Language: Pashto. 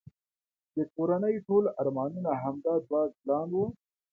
د کورنی ټول ارمانونه همدا دوه ګلان وه